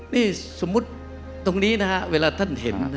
นี่สมมุติตรงนี้นะฮะเวลาท่านเห็น